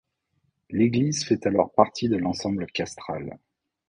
L'église fait alors partie de l'ensemble castral.